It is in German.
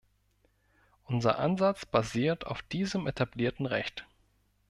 Unser Ansatz basiert auf diesem etablierten Recht.